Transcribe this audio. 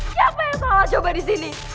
siapa yang salah coba disini